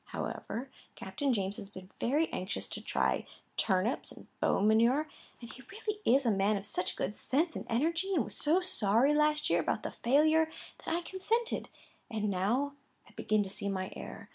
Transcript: However, Captain James has been very anxious to try turnips and bone manure, and he really is a man of such good sense and energy, and was so sorry last year about the failure, that I consented; and now I begin to see my error.